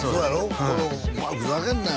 これ「お前ふざけんなよ